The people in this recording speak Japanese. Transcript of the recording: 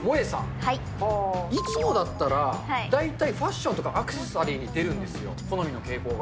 モエさん、いつもだったら、大体ファッションとかアクセサリーに出るんですよ、好みの傾向が。